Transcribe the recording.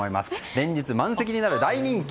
連日満席になる大人気。